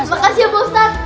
makasih ya pak ustadz